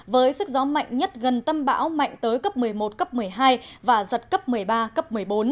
với sức gió mạnh nhất gần tâm bão mạnh tới cấp một mươi một cấp một mươi hai và giật cấp một mươi ba cấp một mươi bốn